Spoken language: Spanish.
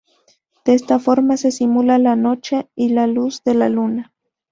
De esta forma, se simula la noche y la luz de la luna.